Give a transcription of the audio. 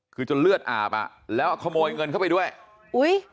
คือจนเลือดอาบอ่ะแล้วขโมยเงินเข้าไปด้วยอุ้ย